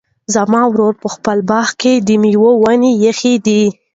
زما ورور په خپل باغ کې د مېوو ونې ایښي دي.